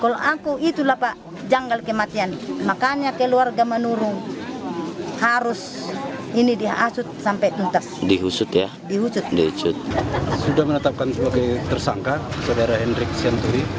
lisna juga menangkap henry sehingga kami juga melakukan rekonstruksi pada siang hari ini